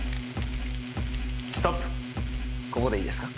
ここでいいですか？